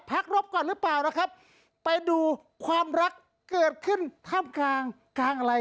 รบก่อนหรือเปล่านะครับไปดูความรักเกิดขึ้นท่ามกลางอะไร